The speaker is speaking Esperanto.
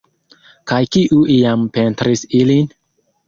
Kaj kiu iam pentris ilin?